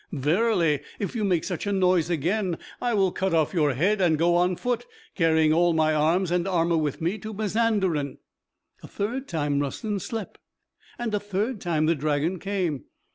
Verily, if you make such a noise again, I will cut off your head and go on foot, carrying all my arms and armor with me to Mazanderan." A third time Rustem slept, and a third time the dragon came.